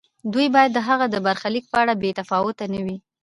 دوی باید د هغه د برخلیک په اړه بې تفاوت نه وي.